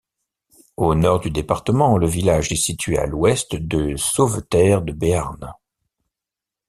Au nord du département, le village est situé à l'ouest de Sauveterre-de-Béarn.